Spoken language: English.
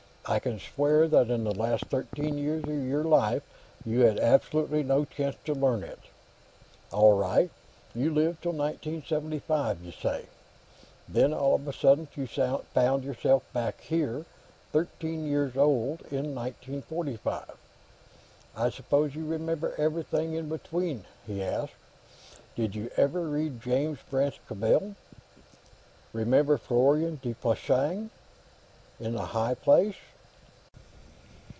"I can swear that in the last thirteen years of your life, you had absolutely no chance to learn it. All right; you lived till 1975, you say. Then, all of a sudden, you found yourself back here, thirteen years old, in 1945. I suppose you remember everything in between?" he asked. "Did you ever read James Branch Cabell? Remember Florian de Puysange, in 'The High Place'?"